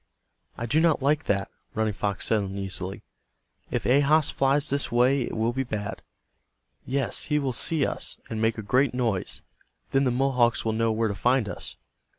"I do not like that," Running Fox said, uneasily. "If Ahas flies this way it will be bad. Yes, he will see us, and make a great noise. Then the Mohawks will know where to find us."